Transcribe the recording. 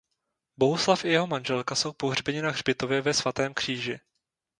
Bohuslav i jeho manželka jsou pohřbeni na hřbitově ve Svatém Kříži.